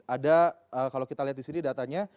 ada kalau kita lihat disini datanya